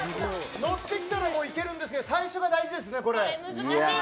乗っていければいけるんですが最初が大事ですね。